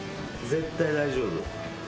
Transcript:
絶対大丈夫。